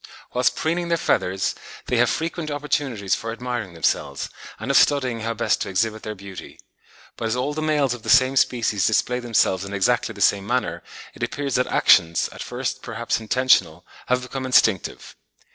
Whilst preening their feathers, they have frequent opportunities for admiring themselves, and of studying how best to exhibit their beauty. But as all the males of the same species display themselves in exactly the same manner, it appears that actions, at first perhaps intentional, have become instinctive.